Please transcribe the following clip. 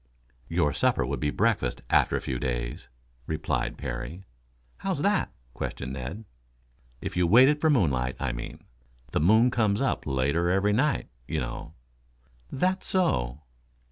"Your supper would be breakfast after a few days," replied Parry. "How's that!" questioned Ned. "If you waited for moonlight, I mean. The moon comes up later every night, you know." "That's so."